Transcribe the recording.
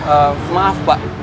eh maaf pak